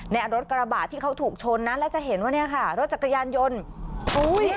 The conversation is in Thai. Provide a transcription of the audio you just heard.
รถกระบะที่เขาถูกชนนะแล้วจะเห็นว่าเนี่ยค่ะรถจักรยานยนต์อุ้ย